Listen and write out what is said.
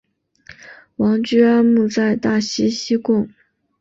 王居安墓在大溪西贡。